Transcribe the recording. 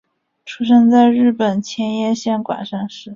出生在日本千叶县馆山市。